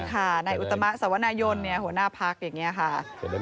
ค่ะนายอุตมะสวนายนหัวหน้าพักอย่างนี้ค่ะ